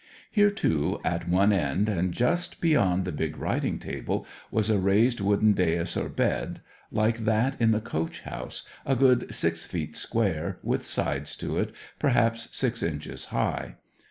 Here, too, at one end, and just beyond the big writing table, was a raised wooden dais or bed, like that in the coach house, a good six feet square, with sides to it, perhaps six inches high.